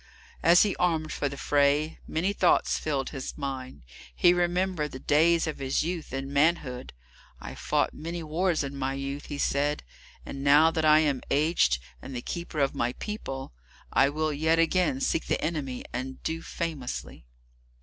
As he armed for the fray, many thoughts filled his mind; he remembered the days of his youth and manhood. "I fought many wars in my youth," he said, "and now that I am aged, and the keeper of my people, I will yet again seek the enemy and do famously."